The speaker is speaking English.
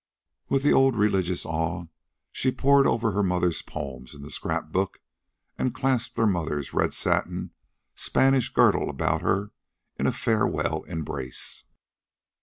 With the old religious awe, she pored over her mother's poems in the scrap book, and clasped her mother's red satin Spanish girdle about her in a farewell embrace.